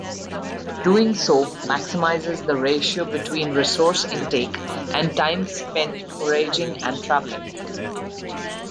Doing so maximizes the ratio between resource intake and time spent foraging and traveling.